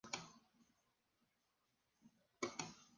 Fue docente de Cátedra en filosofía de la Universidad Popular del Cesar.